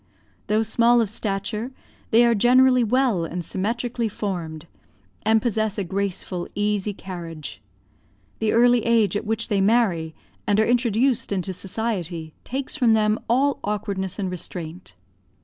Though small of stature, they are generally well and symmetrically formed, and possess a graceful, easy carriage. The early age at which they marry, and are introduced into society, takes from them all awkwardness and restraint.